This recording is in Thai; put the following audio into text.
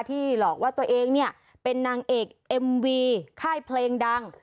หลอกว่าตัวเองเนี่ยเป็นนางเอกเอ็มวีค่ายเพลงดัง